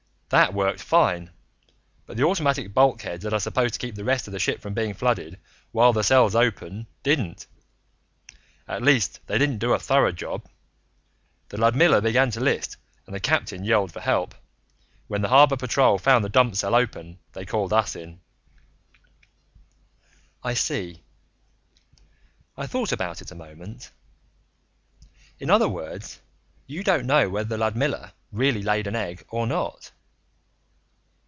That worked fine, but the automatic bulkheads that are supposed to keep the rest of the ship from being flooded while the cell's open, didn't. At least they didn't do a thorough job. The Ludmilla began to list and the captain yelled for help. When the Harbor Patrol found the dump cell open, they called us in." "I see." I thought about it a moment. "In other words, you don't know whether the Ludmilla really laid an egg or not."